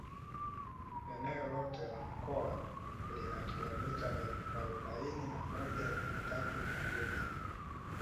Eneo lote la mkoa lina kilometa elfu arobaini na moja mia tatu na kumi